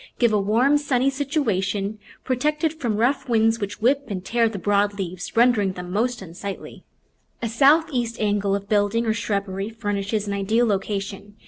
Give a warm, sunny situa tion, protected from rough winds, which whip and tear the broad leaves, rendering them most unsightly. A southeast angle of building or shrubbery furnishes an ideal location.